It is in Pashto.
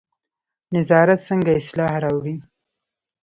نظارت څنګه اصلاح راوړي؟